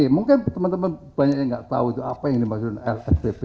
mungkin teman teman banyak yang tidak tahu apa yang dimaksud lfpp